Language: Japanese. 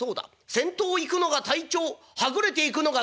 先頭を行くのが隊長はぐれて行くのが愚連隊」。